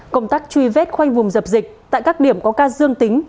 công tác truy vết khoanh vùng dập dịch tại các điểm có ca dương tính